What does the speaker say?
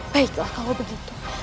baiklah kalau begitu